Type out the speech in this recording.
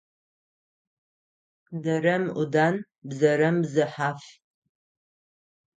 Дэрэм ӏудан, бзэрэм бзыхьаф.